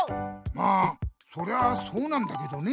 まぁそりゃそうなんだけどね。